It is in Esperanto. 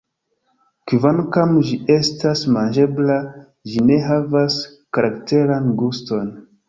Kvankam ĝi estas manĝebla, ĝi ne havas karakteran guston.